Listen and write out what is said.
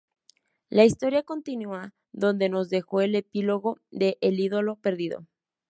La historia continua donde nos dejo el epílogo de El ídolo perdido.